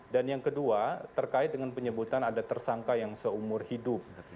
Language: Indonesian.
dan yang kedua terkait dengan penyebutan ada tersangka yang seumur hidup